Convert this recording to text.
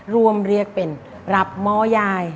เรียกเป็นรับหม้อยาย